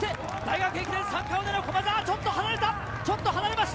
大学駅伝三冠を狙う駒澤、ちょっと離れました。